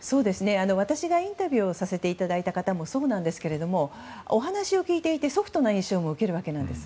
私がインタビューをさせていただいた方もそうなんですけどもお話を聞いていてソフトな印象も受けるわけです。